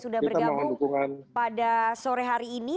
sudah bergabung pada sore hari ini